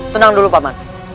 tenang dulu pak man